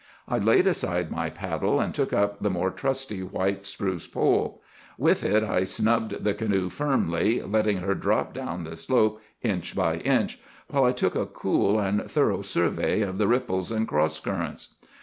I laid aside my paddle and took up the more trusty white spruce pole. With it I "snubbed" the canoe firmly, letting her drop down the slope inch by inch, while I took a cool and thorough survey of the ripples and cross currents.